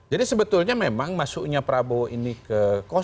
jadi sebetulnya memang masuknya prabowo ini ke satu